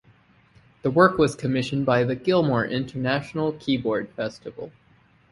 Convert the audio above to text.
The work was commissioned by the Gilmore International Keyboard Festival.